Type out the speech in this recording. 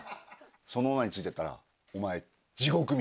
その女についてったらお前地獄見るぞ。